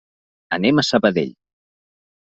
Anem a Sabadell.